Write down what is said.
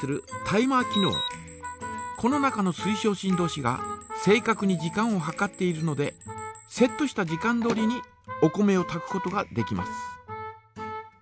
この中の水晶振動子が正かくに時間を計っているのでセットした時間どおりにお米をたくことができます。